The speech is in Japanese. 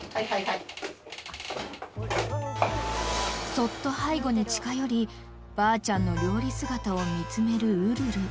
［そっと背後に近寄りばあちゃんの料理姿を見つめるウルル］